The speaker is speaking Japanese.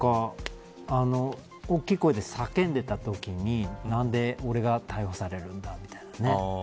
大きい声で叫んでいたときに何で俺が逮捕されるんだみたいな。